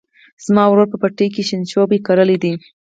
زما ورور په پټي کې شینشوبي کرلي دي.